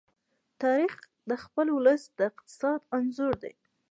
تاریخ د خپل ولس د اقتصاد انځور دی.